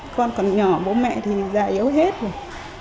con còn nhỏ bố mẹ thì già yếu hết rồi